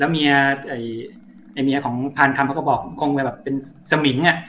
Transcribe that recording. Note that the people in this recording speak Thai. แล้วเมียไอ้เมียของพานคำเขาก็บอกคงเป็นแบบเป็นสมิงอ่ะ